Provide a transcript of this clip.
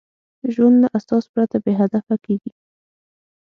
ژوند له اساس پرته بېهدفه کېږي.